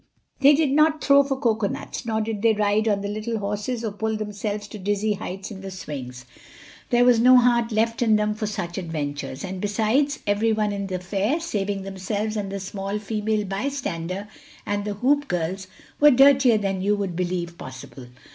They did not throw for coconuts, nor did they ride on the little horses or pull themselves to dizzy heights in the swings. There was no heart left in them for such adventures—and besides everyone in the fair, saving themselves and the small female bystander and the hoop girls, was dirtier than you would believe possible.